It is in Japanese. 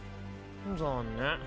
残念。